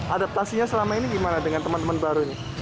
adaptasinya selama ini gimana dengan teman teman baru ini